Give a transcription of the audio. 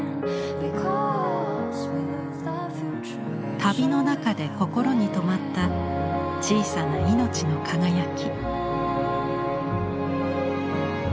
旅の中で心に留まった小さな命の輝き。